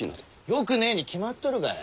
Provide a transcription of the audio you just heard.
よくねえに決まっとるがや。